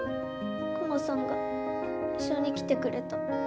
クマさんが一緒に来てくれた。